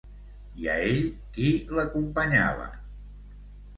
I a ell qui l'acompanyava?